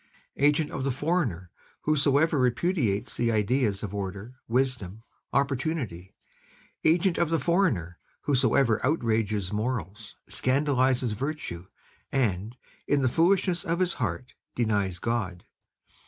Agent of the foreigner whosoever repudiates the ideas of order, wisdom, opportunity; agent of the foreigner whosoever outrages morals, scandalizes virtue, and, in the foolishness of his heart, denies God.